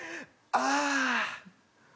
ああ。